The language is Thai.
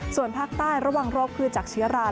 ส่วนภาคใต้ระหว่างโรคพืชจักรชิราค่ะ